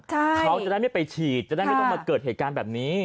เขาจะได้ไม่ไปฉีดจะได้ไม่ต้องมาเกิดเหตุการณ์แบบนี้